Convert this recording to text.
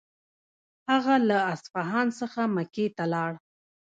هغه له اصفهان څخه مکې ته ولاړ.